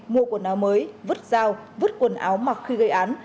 mua quần áo mới vứt dao vứt quần áo mặc khi gây án